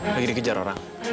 lagi dikejar orang